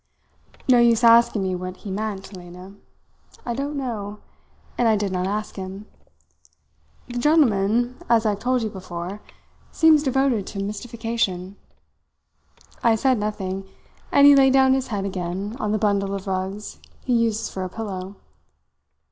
"No use asking me what he meant, Lena; I don't know, and I did not ask him. The gentleman, as I have told you before, seems devoted to mystification. I said nothing, and he laid down his head again on the bundle of rugs he uses for a pillow.